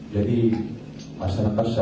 jadi masyarakat seharusnya